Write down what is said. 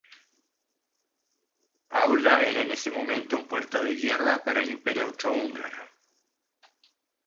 Pula era en ese momento un "puerto de guerra" para el Imperio austrohúngaro.